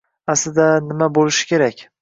Aslida nima boʻlishi kerak